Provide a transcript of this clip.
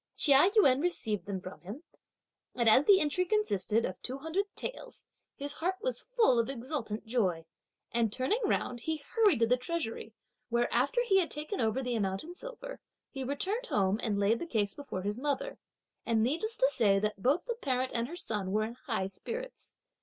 Chia Yün received them from him, and as the entry consisted of two hundred taels, his heart was full of exultant joy; and turning round, he hurried to the treasury, where after he had taken over the amount in silver, he returned home and laid the case before his mother, and needless to say, that both the parent and her son were in high spirits.